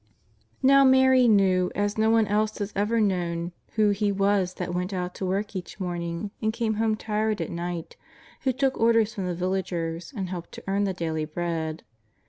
Now Mary knew as no one else has ever known who He was that went out to work each morning and came home tired at night, who took orders from the villagers, and helped to earn the daily bread.